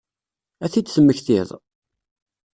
Ad t-id-temmektiḍ?